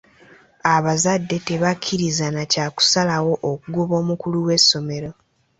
Abazadde tebakkirizza na kya kusalawo okokugoba omukulu w'essomero.